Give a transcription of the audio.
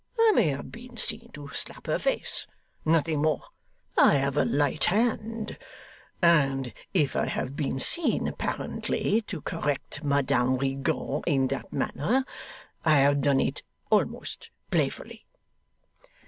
I may have been seen to slap her face nothing more. I have a light hand; and if I have been seen apparently to correct Madame Rigaud in that manner, I have done it almost playfully.